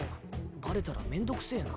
バレたらめんどくせぇな。